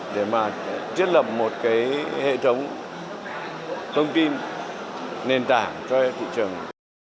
để mà thiết lập một cái hệ thống thông tin nền tảng cho thị trường